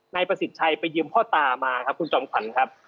นายประสิทธิ์ชัยไปยืมพ่อตามาครับคุณจอมขวัญครับ